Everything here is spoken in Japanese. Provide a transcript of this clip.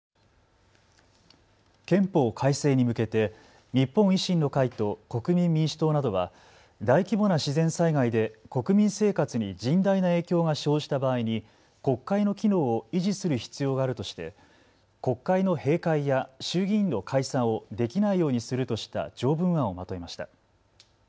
憲法改正に向けて日本維新の会と国民民主党などは大規模な自然災害で国民生活に甚大な影響が生じた場合に国会の機能を維持する必要があるとして国会の閉会や衆議院の解散をできないようにするとした条文案をまとめました。